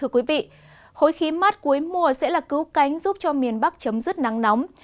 khối khí mát cuối mùa sẽ là cứu cánh giúp cho miền bắc chấm dứt nắng nóng